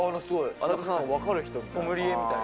斎藤さん、分かる人ソムリエみたい。